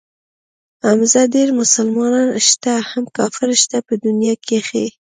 حمزه ډېر مسلمانان شته هم کافر شته په دنيا کښې.